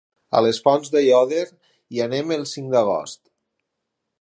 A les Fonts d'Aiòder hi anem el cinc d'agost.